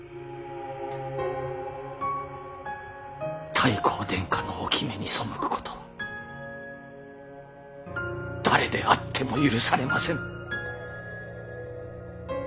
太閤殿下の置目に背くことは誰であっても許されませぬ。